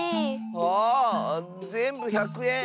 あぜんぶ１００えん。